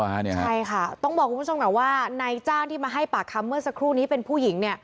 ใช่ค่ะต้องบอกคุณผู้ชมก่อนว่านายจ้างที่มาให้ปากคำเมื่อสักครู่นี้เป็นผู้หญิง